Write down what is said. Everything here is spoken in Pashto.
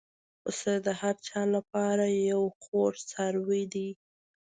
پسه د هر چا له پاره یو خوږ څاروی دی.